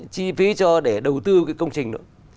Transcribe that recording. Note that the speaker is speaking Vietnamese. chi phí cho để đầu tư cái công trình đó